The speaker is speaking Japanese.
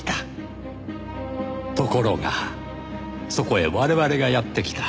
ところがそこへ我々がやって来た。